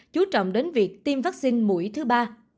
chú trọng đến việc tiêm vaccine mũi thứ ba